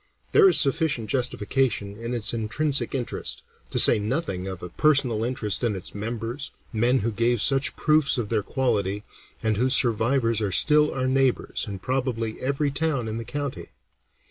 There is sufficient justification in its intrinsic interest, to say nothing of a personal interest in its members, men who gave such proofs of their quality, and whose survivors are still our neighbors in probably every town in the county.